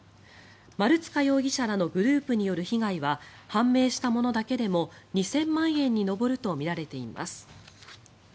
丸塚容疑者らのグループによる被害は、判明したものだけでも２０００万円に上るとみられています。